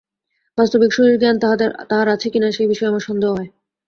বাস্তবিক শরীর-জ্ঞান তাঁহার আছে কিনা, সে বিষয়ে আমার সন্দেহ হয়।